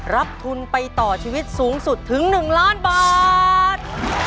รับทุนไปต่อชีวิตสูงสุดถึง๑ล้านบาท